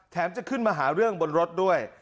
จะขึ้นมาหาเรื่องบนรถด้วย